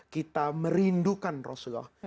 kita merindukan rasulullah